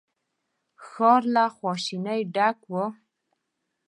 ښار له خواشينۍ ډک و.